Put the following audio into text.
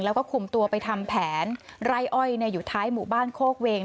แล้วก็คุมตัวไปทำแผนไร่อ้อยอยู่ท้ายหมู่บ้านโคกเวง